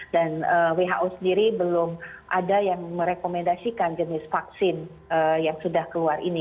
dan who sendiri belum ada yang merekomendasikan jenis vaksin yang sudah keluar ini